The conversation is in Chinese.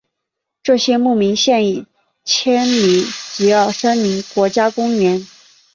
这些牧民现已迁离吉尔森林国家公园。